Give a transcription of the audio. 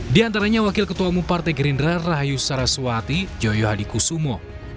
di antaranya wakil ketua mumparte gerindra rahayu saraswati joyohadi kusumo